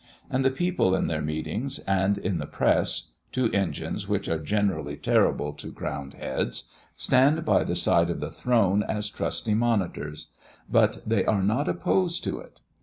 And the people in their meetings, and in the press two engines which are generally terrible to crowned heads stand by the side of the throne as trusty monitors, but they are not opposed to it.